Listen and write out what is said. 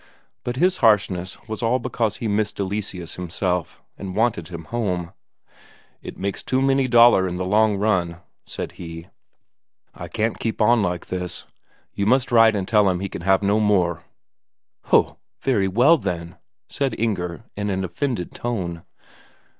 But his harshness was all because he missed Eleseus himself, and wanted him home. "It makes too many Dalers in the long run," said he. "I can't keep, on like this; you must write and tell him he can have no more." "Ho, very well then!" said Inger in an offended tone.